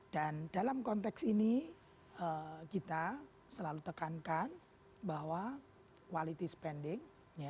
dan dalam konteks ini kita selalu tekankan bahwa quality spending